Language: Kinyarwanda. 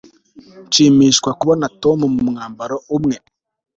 nshimishwa kubona tom mu mwambaro umwe